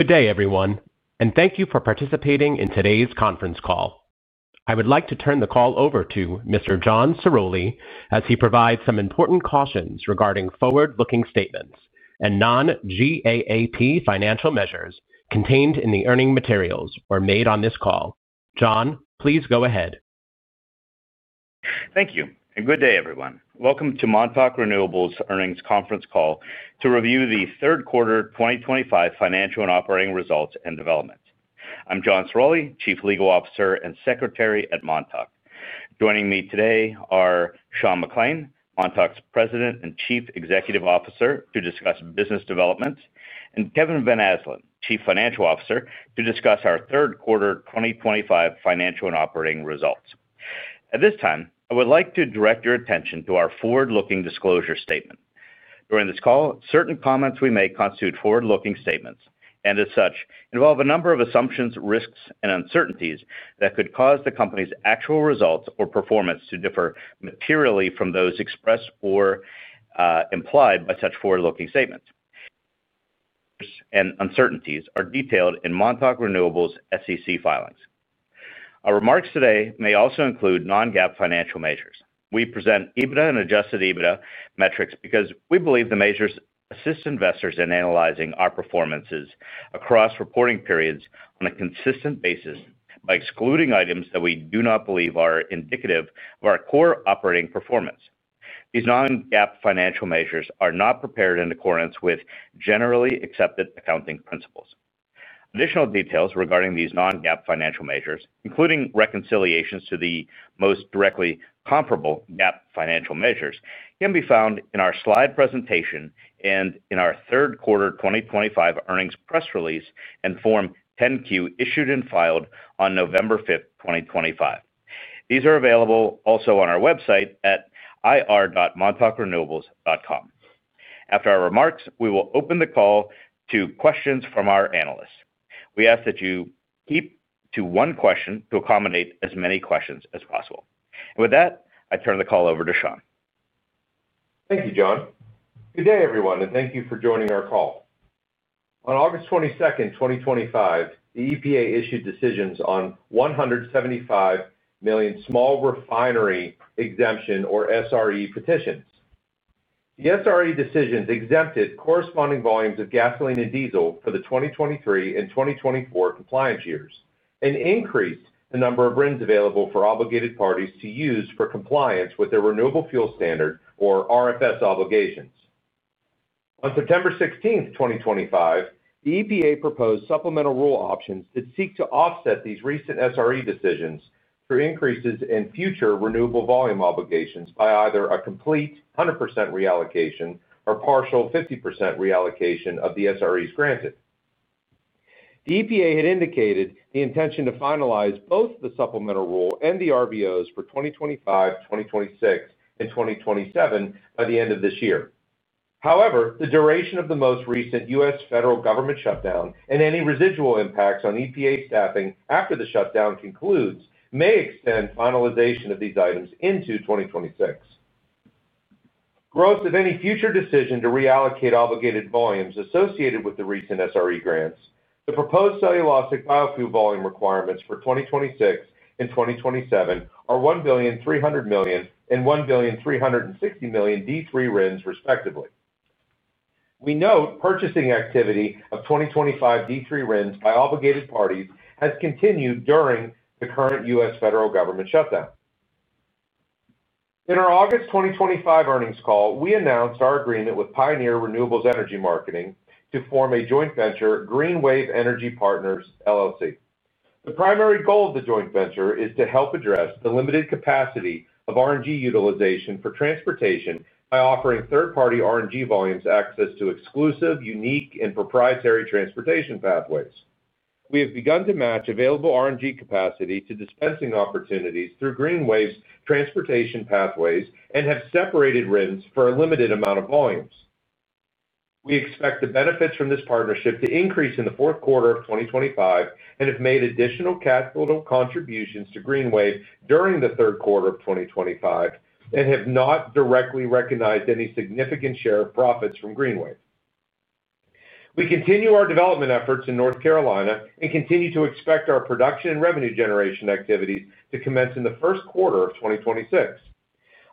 Good day, everyone, and thank you for participating in today's conference call. I would like to turn the call over to Mr. John Ciroli as he provides some important cautions regarding forward-looking statements and non-GAAP financial measures contained in the earning materials or made on this call. John, please go ahead. Thank you. And good day, everyone. Welcome to Montauk Renewables' earnings conference call to review the third quarter 2025 financial and operating results and developments. I'm John Ciroli, Chief Legal Officer and Secretary at Montauk. Joining me today are Sean McClain, Montauk's President and Chief Executive Officer to discuss business developments, and Kevin Van Asdalan, Chief Financial Officer to discuss our third quarter 2025 financial and operating results. At this time, I would like to direct your attention to our forward-looking disclosure statement. During this call, certain comments we make constitute forward-looking statements and, as such, involve a number of assumptions, risks, and uncertainties that could cause the company's actual results or performance to differ materially from those expressed or implied by such forward-looking statements. And uncertainties are detailed in Montauk Renewables' SEC filings. Our remarks today may also include non-GAAP financial measures. We present EBITDA and adjusted EBITDA metrics because we believe the measures assist investors in analyzing our performances across reporting periods on a consistent basis by excluding items that we do not believe are indicative of our core operating performance. These non-GAAP financial measures are not prepared in accordance with generally accepted accounting principles. Additional details regarding these non-GAAP financial measures, including reconciliations to the most directly comparable GAAP financial measures, can be found in our slide presentation and in our third quarter 2025 earnings press release and Form 10-Q issued and filed on November 5th, 2025. These are available also on our website at ir.montaukrenewables.com. After our remarks, we will open the call to questions from our analysts. We ask that you keep to one question to accommodate as many questions as possible. With that, I turn the call over to Sean. Thank you, John. Good day, everyone, and thank you for joining our call. On August 22nd, 2025, the EPA issued decisions on 175 million small refinery exemption or SRE petitions. The SRE decisions exempted corresponding volumes of gasoline and diesel for the 2023 and 2024 compliance years and increased the number of bins available for obligated parties to use for compliance with their renewable fuel standard or RFS obligations. On September 16th, 2025, the EPA proposed supplemental rule options that seek to offset these recent SRE decisions through increases in future renewable volume obligations by either a complete 100% reallocation or partial 50% reallocation of the SREs granted. The EPA had indicated the intention to finalize both the supplemental rule and the RVOs for 2025, 2026, and 2027 by the end of this year. However, the duration of the most recent U.S. Federal government shutdown and any residual impacts on EPA staffing after the shutdown concludes may extend finalization of these items into 2026. Growth of any future decision to reallocate obligated volumes associated with the recent SRE grants, the proposed cellulosic biofuel volume requirements for 2026 and 2027 are 1,300,000,000 and 1,360,000,000 D3 RINs respectively. We note purchasing activity of 2025 D3 RINs by obligated parties has continued during the current U.S. federal government shutdown. In our August 2025 earnings call, we announced our agreement with Pioneer Renewables Energy Marketing to form a joint venture, GreenWave Energy Partners LLC. The primary goal of the joint venture is to help address the limited capacity of RNG utilization for transportation by offering third-party RNG volumes access to exclusive, unique, and proprietary transportation pathways. We have begun to match available RNG capacity to dispensing opportunities through GreenWave's transportation pathways and have separated RINs for a limited amount of volumes. We expect the benefits from this partnership to increase in the fourth quarter of 2025 and have made additional capital contributions to GreenWave during the third quarter of 2025 and have not directly recognized any significant share of profits from GreenWave. We continue our development efforts in North Carolina and continue to expect our production and revenue generation activities to commence in the first quarter of 2026.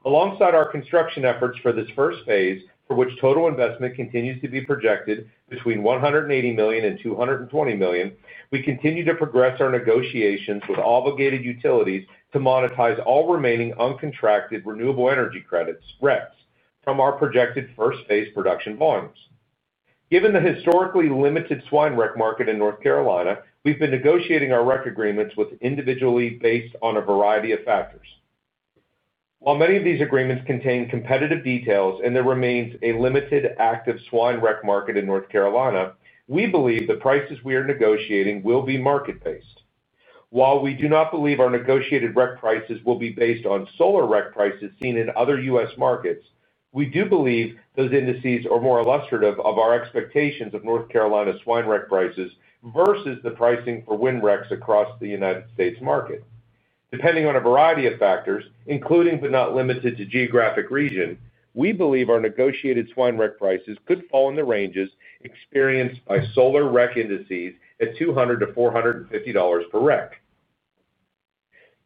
Alongside our construction efforts for this first phase, for which total investment continues to be projected between $180 million and $220 million, we continue to progress our negotiations with obligated utilities to monetize all remaining uncontracted renewable energy credits RECs from our projected first phase production volumes. Given the historically limited swine REC market in North Carolina, we've been negotiating our REC agreements individually based on a variety of factors. While many of these agreements contain competitive details and there remains a limited active swine REC market in North Carolina, we believe the prices we are negotiating will be market-based. While we do not believe our negotiated REC prices will be based on solar REC prices seen in other U.S. markets, we do believe those indices are more illustrative of our expectations of North Carolina swine REC prices versus the pricing for wind RECs across the United States market. Depending on a variety of factors, including but not limited to geographic region, we believe our negotiated swine REC prices could fall in the ranges experienced by solar REC indices at $200-$450 per REC.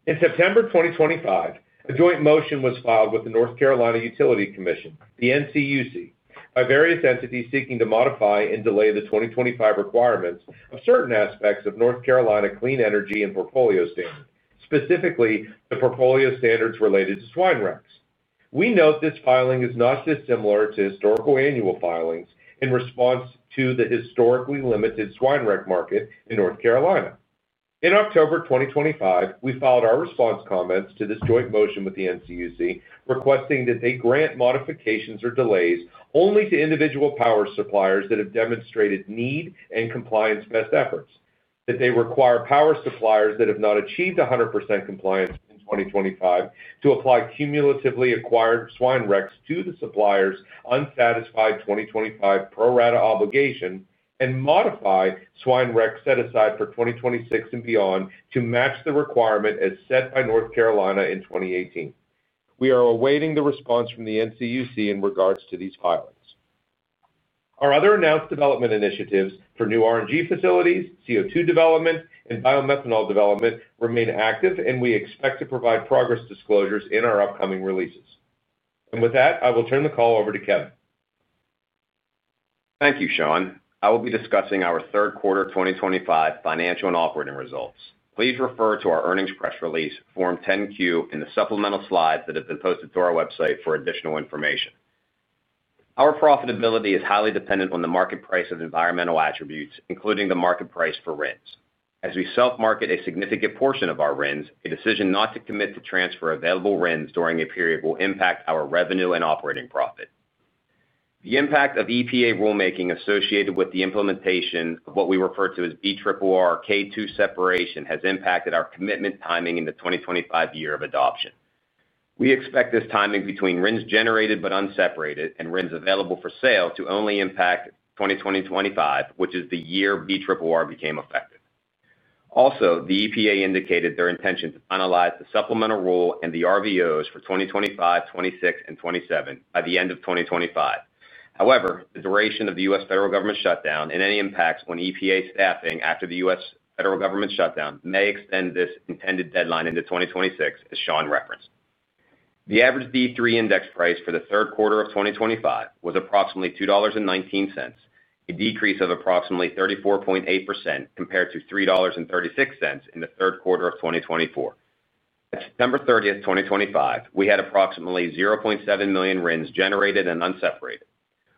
In September 2025, a joint motion was filed with the North Carolina Utilities Commission, the NCUC, by various entities seeking to modify and delay the 2025 requirements of certain aspects of North Carolina clean energy and portfolio standards, specifically the portfolio standards related to swine RECs. We note this filing is not dissimilar to historical annual filings in response to the historically limited swine REC market in North Carolina. In October 2025, we filed our response comments to this joint motion with the NCUC requesting that they grant modifications or delays only to individual power suppliers that have demonstrated need and compliance best efforts, that they require power suppliers that have not achieved 100% compliance in 2025 to apply cumulatively acquired swine RECs to the suppliers' unsatisfied 2025 pro-rata obligation, and modify swine RECs set aside for 2026 and beyond to match the requirement as set by North Carolina in 2018. We are awaiting the response from the NCUC in regards to these filings. Our other announced development initiatives for new RNG facilities, CO2 development, and biomethanol development remain active, and we expect to provide progress disclosures in our upcoming releases. I will turn the call over to Kevin. Thank you, Sean. I will be discussing our third quarter 2025 financial and operating results. Please refer to our earnings press release, Form 10-Q, and the supplemental slides that have been posted to our website for additional information. Our profitability is highly dependent on the market price of environmental attributes, including the market price for RINs. As we self-market a significant portion of our RINs, a decision not to commit to transfer available RINs during a period will impact our revenue and operating profit. The impact of EPA rulemaking associated with the implementation of what we refer to as BRRR K2 separation has impacted our commitment timing in the 2025 year of adoption. We expect this timing between RINs generated but unseparated and RINs available for sale to only impact 2025, which is the year BRRR became effective. Also, the EPA indicated their intention to finalize the supplemental rule and the RVOs for 2025, 2026, and 2027 by the end of 2025. However, the duration of the U.S. federal government shutdown and any impacts on EPA staffing after the U.S. federal government shutdown may extend this intended deadline into 2026, as Sean referenced. The average D3 index price for the third quarter of 2025 was approximately $2.19, a decrease of approximately 34.8% compared to $3.36 in the third quarter of 2024. At September 30th, 2025, we had approximately 0.7 million RINs generated and unseparated.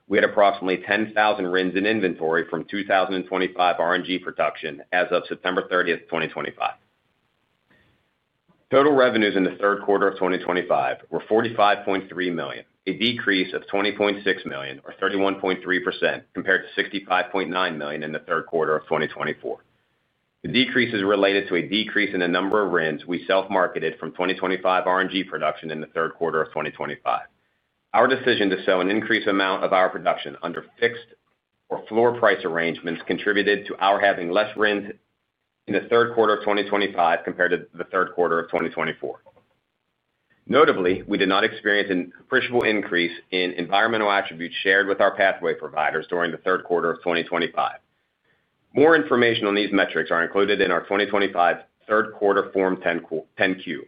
We had approximately 10,000 RINs in inventory from 2025 RNG production as of September 30th, 2025. Total revenues in the third quarter of 2025 were $45.3 million, a decrease of $20.6 million, or 31.3%, compared to $65.9 million in the third quarter of 2024. The decrease is related to a decrease in the number of RINs we self-marketed from 2025 RNG production in the third quarter of 2025. Our decision to sell an increased amount of our production under fixed or floor price arrangements contributed to our having less RINs in the third quarter of 2025 compared to the third quarter of 2024. Notably, we did not experience an appreciable increase in environmental attributes shared with our pathway providers during the third quarter of 2025. More information on these metrics is included in our 2025 third quarter Form 10-Q.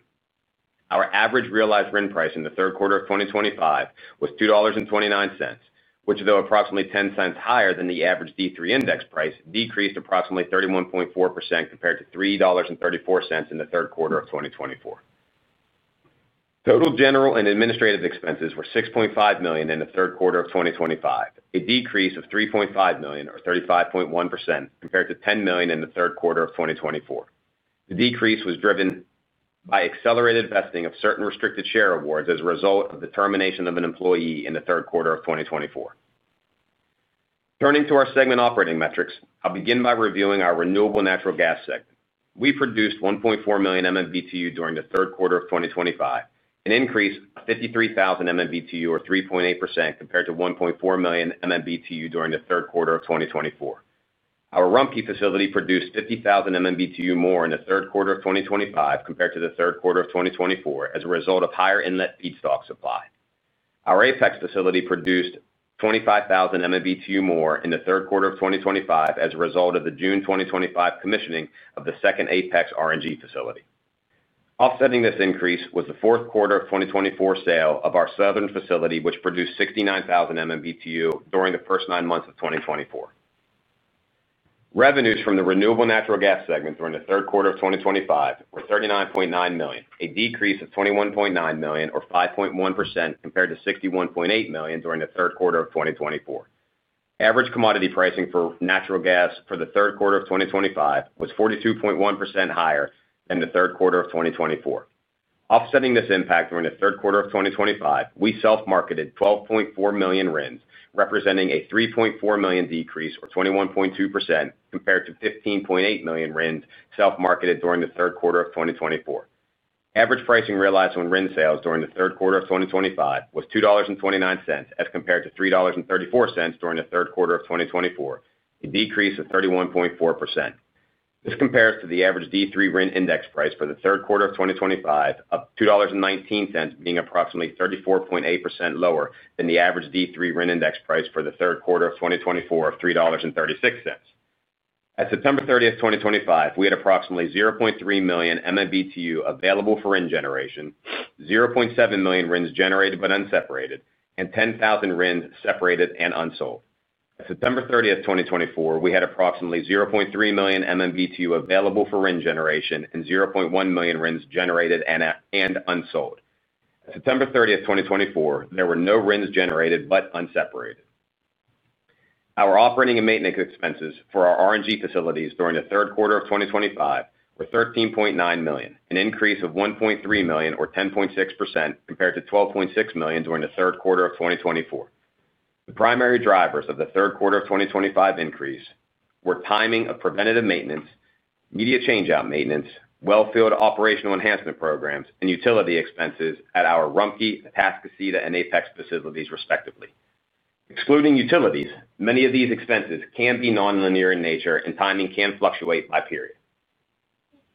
Our average realized RIN price in the third quarter of 2025 was $2.29, which, though approximately 10 cents higher than the average D3 index price, decreased approximately 31.4% compared to $3.34 in the third quarter of 2024. Total general and administrative expenses were $6.5 million in the third quarter of 2025, a decrease of $3.5 million, or 35.1%, compared to $10 million in the third quarter of 2024. The decrease was driven by accelerated vesting of certain restricted share awards as a result of the termination of an employee in the third quarter of 2024. Turning to our segment operating metrics, I'll begin by reviewing our renewable natural gas segment. We produced 1.4 million MMBtu during the third quarter of 2025, an increase of 53,000 MMBtu, or 3.8%, compared to 1.4 million MMBtu during the third quarter of 2024. Our Rumpke facility produced 50,000 MMBtu more in the third quarter of 2025 compared to the third quarter of 2024 as a result of higher inlet feedstock supply. Our Apex facility produced 25,000 MMBtu more in the third quarter of 2025 as a result of the June 2025 commissioning of the second Apex RNG facility. Offsetting this increase was the fourth quarter of 2024 sale of our Southern facility, which produced 69,000 MMBtu during the first nine months of 2024. Revenues from the renewable natural gas segment during the third quarter of 2025 were $39.9 million, a decrease of $21.9 million, or 5.1%, compared to $61.8 million during the third quarter of 2024. Average commodity pricing for natural gas for the third quarter of 2025 was 42.1% higher than the third quarter of 2024. Offsetting this impact during the third quarter of 2025, we self-marketed 12.4 million RINs, representing a 3.4 million decrease, or 21.2%, compared to 15.8 million RINs self-marketed during the third quarter of 2024. Average pricing realized on RIN sales during the third quarter of 2025 was $2.29 as compared to $3.34 during the third quarter of 2024, a decrease of 31.4%. This compares to the average D3 RIN index price for the third quarter of 2025 of $2.19, being approximately 34.8% lower than the average D3 RIN index price for the third quarter of 2024 of $3.36. At September 30th, 2025, we had approximately 0.3 million MMBtu available for RIN generation, 0.7 million RINs generated but unseparated, and 10,000 RINs separated and unsold. At September 30th, 2024, we had approximately 0.3 million MMBtu available for RIN generation and 0.1 million RINs generated and unsold. At September 30th, 2024, there were no RINs generated but unseparated. Our operating and maintenance expenses for our RNG facilities during the third quarter of 2025 were $13.9 million, an increase of $1.3 million, or 10.6%, compared to $12.6 million during the third quarter of 2024. The primary drivers of the third quarter of 2025 increase were timing of preventative maintenance, media change-out maintenance, wellfield operational enhancement programs, and utility expenses at our Rumpke, Atascocita, and Apex facilities, respectively. Excluding utilities, many of these expenses can be non-linear in nature, and timing can fluctuate by period.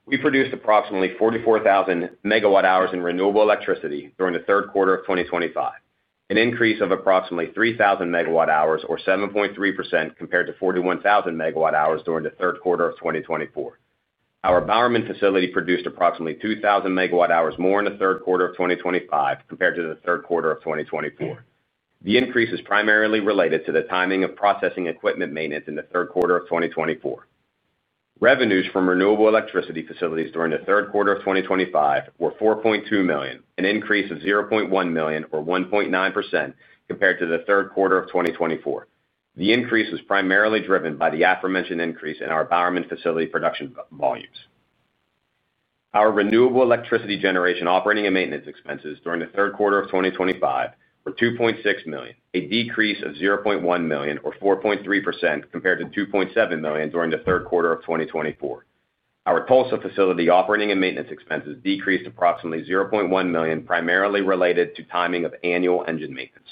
We produced approximately 44,000 MWh in renewable electricity during the third quarter of 2025, an increase of approximately 3,000 MWh, or 7.3%, compared to 41,000 MWh during the third quarter of 2024. Our Bowerman facility produced approximately 2,000 MWh more in the third quarter of 2025 compared to the third quarter of 2024. The increase is primarily related to the timing of processing equipment maintenance in the third quarter of 2024. Revenues from renewable electricity facilities during the third quarter of 2025 were $4.2 million, an increase of $0.1 million, or 1.9%, compared to the third quarter of 2024. The increase was primarily driven by the aforementioned increase in our Bowerman facility production volumes. Our renewable electricity generation operating and maintenance expenses during the third quarter of 2025 were $2.6 million, a decrease of $0.1 million, or 4.3%, compared to $2.7 million during the third quarter of 2024. Our Tulsa facility operating and maintenance expenses decreased approximately $0.1 million, primarily related to timing of annual engine maintenance.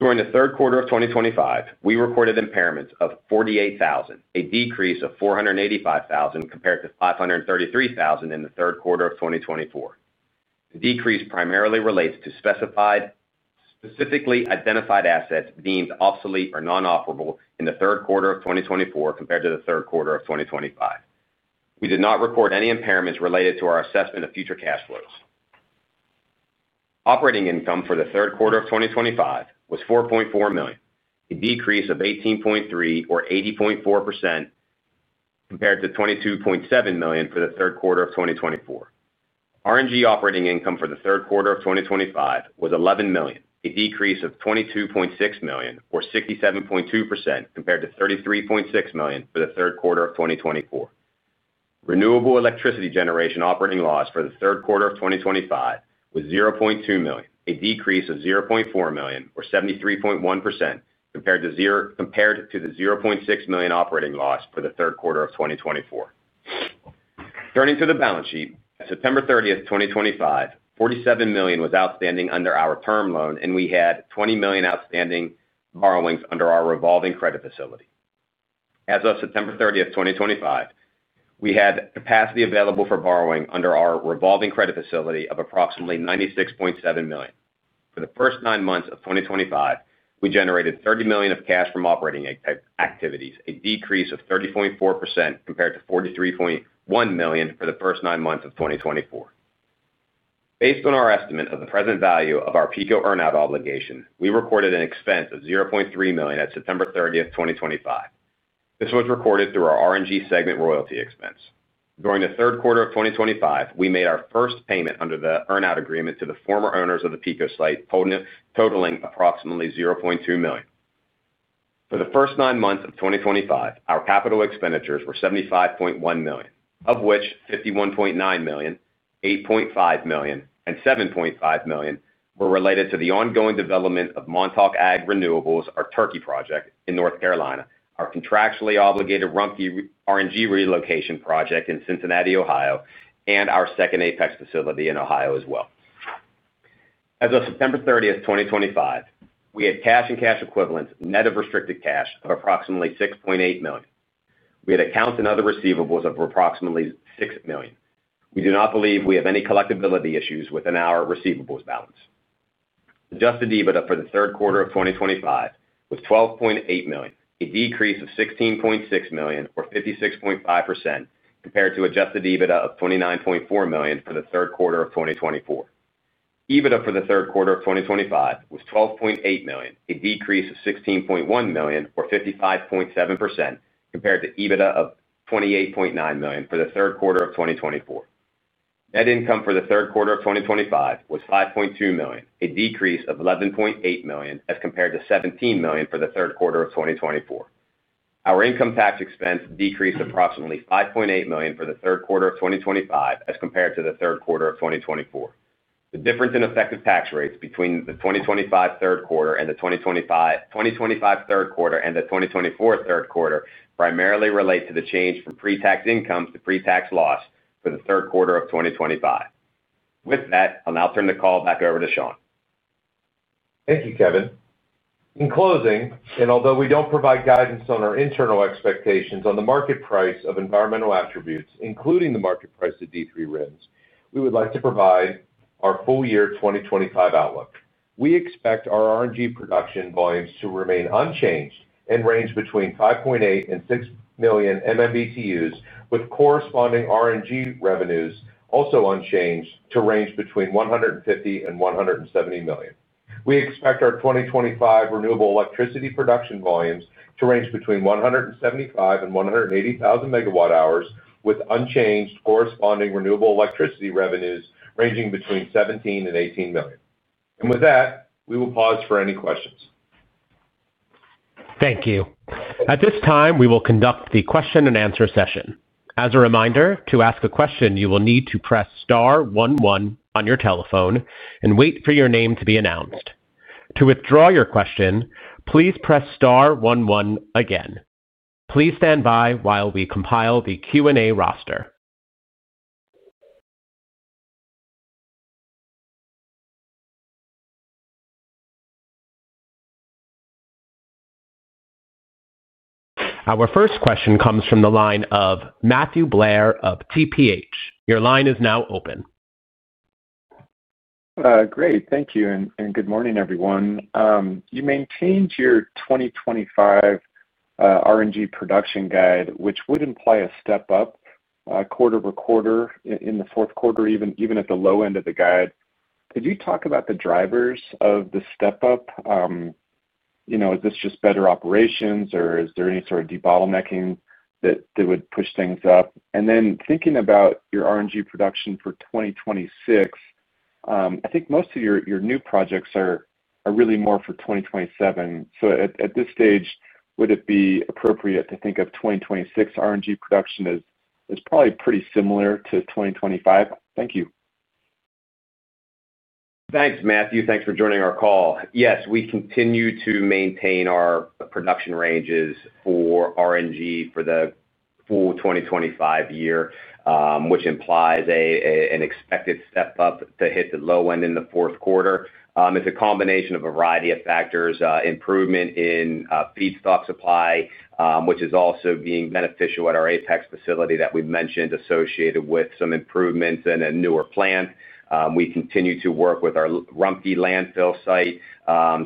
During the third quarter of 2025, we recorded impairments of $48,000, a decrease of $485,000 compared to $533,000 in the third quarter of 2024. The decrease primarily relates to specifically identified assets deemed obsolete or non-operable in the third quarter of 2024 compared to the third quarter of 2025. We did not record any impairments related to our assessment of future cash flows. Operating income for the third quarter of 2025 was $4.4 million, a decrease of 80.3%, or 80.4%, compared to $22.7 million for the third quarter of 2024. RNG operating income for the third quarter of 2025 was $11 million, a decrease of $22.6 million, or 67.2%, compared to $33.6 million for the third quarter of 2024. Renewable electricity generation operating loss for the third quarter of 2025 was $0.2 million, a decrease of $0.4 million, or 73.1%, compared to the $0.6 million operating loss for the third quarter of 2024. Turning to the balance sheet, at September 30th, 2025, $47 million was outstanding under our term loan, and we had $20 million outstanding borrowings under our revolving credit facility. As of September 30th, 2025, we had capacity available for borrowing under our revolving credit facility of approximately $96.7 million. For the first nine months of 2025, we generated $30 million of cash from operating activities, a decrease of 30.4% compared to $43.1 million for the first nine months of 2024. Based on our estimate of the present value of our PICO earnout obligation, we recorded an expense of $0.3 million at September 30th, 2025. This was recorded through our RNG segment royalty expense. During the third quarter of 2025, we made our first payment under the earnout agreement to the former owners of the PICO site, totaling approximately $0.2 million. For the first nine months of 2025, our capital expenditures were $75.1 million, of which $51.9 million, $8.5 million, and $7.5 million were related to the ongoing development of Montauk Ag Renewables, our turkey project in North Carolina, our contractually obligated Rumpke RNG relocation project in Cincinnati, Ohio, and our Second Apex facility in Ohio as well. As of September 30th, 2025, we had cash and cash equivalents, net of restricted cash, of approximately $6.8 million. We had accounts and other receivables of approximately $6 million. We do not believe we have any collectibility issues within our receivables balance. Adjusted EBITDA for the third quarter of 2025 was $12.8 million, a decrease of $16.6 million, or 56.5%, compared to adjusted EBITDA of $29.4 million for the third quarter of 2024. EBITDA for the third quarter of 2025 was $12.8 million, a decrease of $16.1 million, or 55.7%, compared to EBITDA of $28.9 million for the third quarter of 2024. Net income for the third quarter of 2025 was $5.2 million, a decrease of $11.8 million as compared to $17 million for the third quarter of 2024. Our income tax expense decreased approximately $5.8 million for the third quarter of 2025 as compared to the third quarter of 2024. The difference in effective tax rates between the 2025 third quarter and the 2024 third quarter primarily relates to the change from pre-tax income to pre-tax loss for the third quarter of 2025. With that, I'll now turn the call back over to Sean. Thank you, Kevin. In closing, and although we do not provide guidance on our internal expectations on the market price of environmental attributes, including the market price of D3 RINs, we would like to provide our full year 2025 outlook. We expect our RNG production volumes to remain unchanged and range between 5.8 million and 6 million MMBtus, with corresponding RNG revenues also unchanged to range between $150 million and $170 million. We expect our 2025 renewable electricity production volumes to range between 175,000 MWh and 180,000 MWh, with unchanged corresponding renewable electricity revenues ranging between $17 million and $18 million. With that, we will pause for any questions. Thank you. At this time, we will conduct the question-and-answer session. As a reminder, to ask a question, you will need to press star one one on your telephone and wait for your name to be announced. To withdraw your question, please press star one one again. Please stand by while we compile the Q&A roster. Our first question comes from the line of Matthew Blair of TPH. Your line is now open. Great. Thank you. And good morning, everyone. You maintained your 2025 RNG production guide, which would imply a step up quarter-over-quarter in the fourth quarter, even at the low end of the guide. Could you talk about the drivers of the step up? Is this just better operations, or is there any sort of debottlenecking that would push things up? And then thinking about your RNG production for 2026. I think most of your new projects are really more for 2027. So at this stage, would it be appropriate to think of 2026 RNG production as probably pretty similar to 2025? Thank you. Thanks, Matthew. Thanks for joining our call. Yes, we continue to maintain our production ranges for RNG for the full 2025 year, which implies an expected step up to hit the low end in the fourth quarter. It's a combination of a variety of factors: improvement in feedstock supply, which is also being beneficial at our Apex facility that we've mentioned, associated with some improvements and a newer plant. We continue to work with our Rumpke landfill site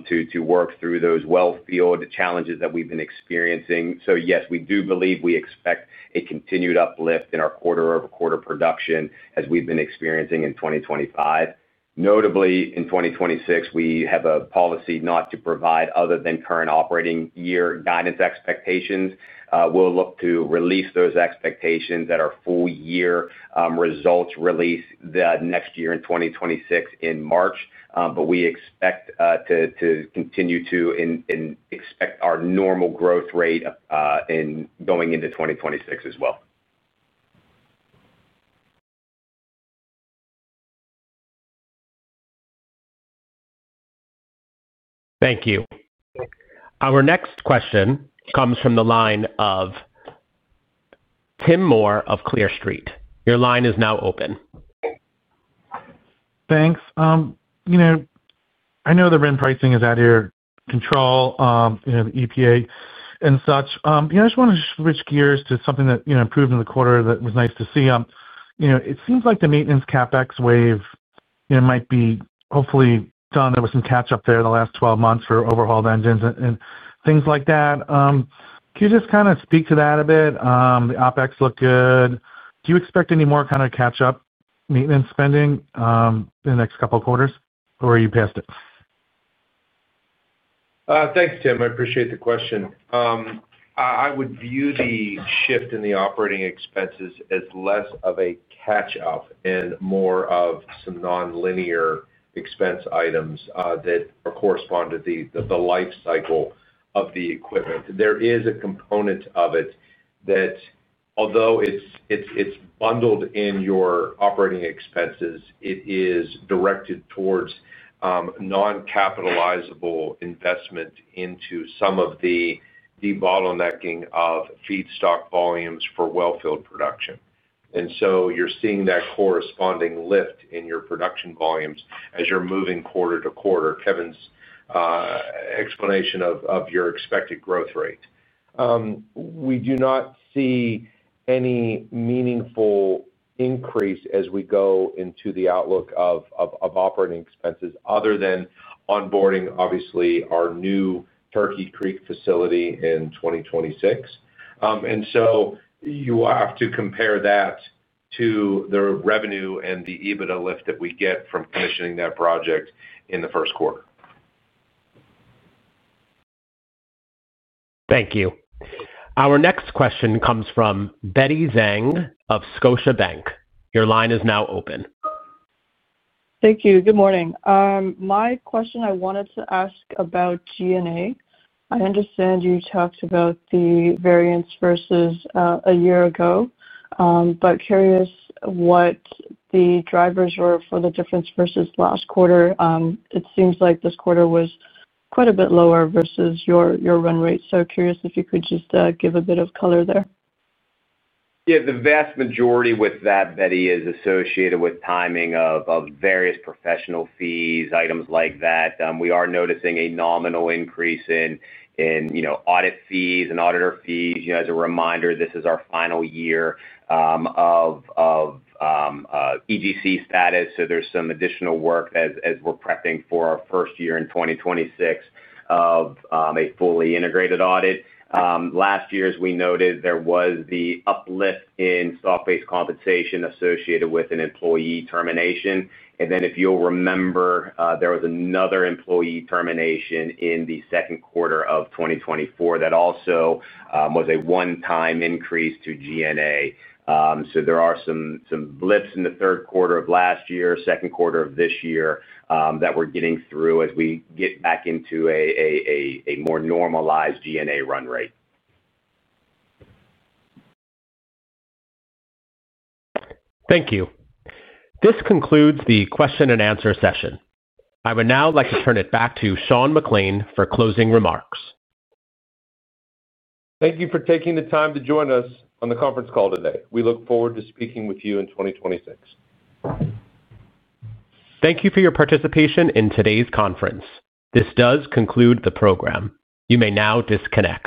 to work through those wellfield challenges that we've been experiencing. Yes, we do believe we expect a continued uplift in our quarter-over-quarter production as we've been experiencing in 2025. Notably, in 2026, we have a policy not to provide other than current operating year guidance expectations. We'll look to release those expectations at our full year results release next year in 2026 in March, but we expect to continue to. Expect our normal growth rate going into 2026 as well. Thank you. Our next question comes from the line of Tim Moore of Clear Street. Your line is now open. Thanks. I know the RIN pricing is out of your control, the EPA and such. I just want to switch gears to something that improved in the quarter that was nice to see. It seems like the maintenance CapEx wave might be hopefully done. There was some catch-up there the last 12 months for overhauled engines and things like that. Can you just kind of speak to that a bit? The OpEx looked good. Do you expect any more kind of catch-up maintenance spending in the next couple of quarters, or are you past it? Thanks, Tim. I appreciate the question. I would view the shift in the operating expenses as less of a catch-up and more of some non-linear expense items that correspond to the life cycle of the equipment. There is a component of it that, although it's bundled in your operating expenses, it is directed towards non-capitalizable investment into some of the debottlenecking of feedstock volumes for well-filled production. You are seeing that corresponding lift in your production volumes as you are moving quarter to quarter. Kevin's explanation of your expected growth rate, we do not see any meaningful increase as we go into the outlook of operating expenses other than onboarding, obviously, our new Turkey Creek facility in 2026. You will have to compare that to the revenue and the EBITDA lift that we get from commissioning that project in the first quarter. Thank you. Our next question comes from Betty Zhang of Scotiabank. Your line is now open. Thank you. Good morning. My question I wanted to ask about G&A. I understand you talked about the variance versus a year ago, but curious what the drivers were for the difference versus last quarter. It seems like this quarter was quite a bit lower versus your run rate. Curious if you could just give a bit of color there. Yeah. The vast majority with that, Betty, is associated with timing of various professional fees, items like that. We are noticing a nominal increase in audit fees and auditor fees. As a reminder, this is our final year of EGC status. There is some additional work as we are prepping for our first year in 2026 of a fully integrated audit. Last year, as we noted, there was the uplift in stock-based compensation associated with an employee termination. If you'll remember, there was another employee termination in the second quarter of 2024 that also was a one-time increase to G&A. There are some blips in the third quarter of last year, second quarter of this year that we're getting through as we get back into a more normalized G&A run rate. Thank you. This concludes the question-and-answer session. I would now like to turn it back to Sean McClain for closing remarks. Thank you for taking the time to join us on the conference call today. We look forward to speaking with you in 2026. Thank you for your participation in today's conference. This does conclude the program. You may now disconnect.